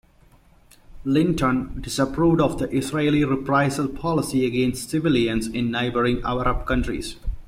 Linton disapproved of the Israeli reprisal policy against civilians in neighboring Arab countries.